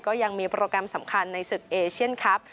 ก็ยังมีโปรแกรมสำคัญในศึกเอเชียนครับ